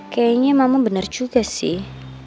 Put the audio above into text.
kayaknya mama benar juga sih